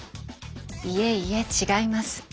いえいえ違います。